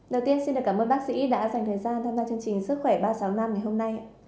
đầu tiên xin cảm ơn bác sĩ đã dành thời gian tham gia chương trình sức khỏe ba trăm sáu mươi năm ngày hôm nay